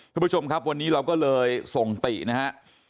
คุณผู้ชมครับวันนี้เราก็เลยส่งตินะฮะ